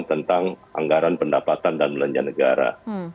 tentang anggaran pendapatan dan belanja negara